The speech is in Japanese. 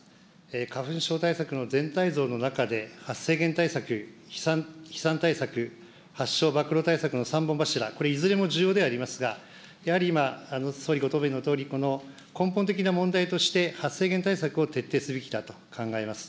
花粉症対策の全体像の中で、発生源対策、飛散対策、発症ばくろ対策の３本柱、これ、いずれも重要ではありますが、やはり今、総理、ご答弁のとおり、この根本的な問題として、発生源対策を徹底するべきだと考えます。